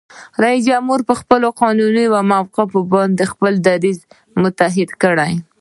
د جمهور رئیس پر قانوني موقف باید خپل دریځونه متحد کړي.